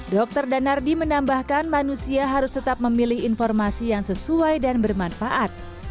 dr danardi menambahkan manusia harus tetap memilih informasi yang sesuai dan bermanfaat